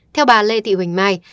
theo bà lê thị huỳnh mai